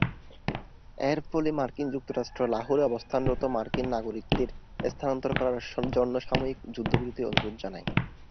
এর ফলে মার্কিন যুক্তরাষ্ট্র লাহোরে অবস্থানরত মার্কিন নাগরিকদের স্থানান্তর করার জন্য সাময়িক যুদ্ধবিরতির অনুরোধ জানায়।